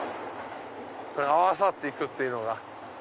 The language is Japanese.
合わさって行くっていうのが。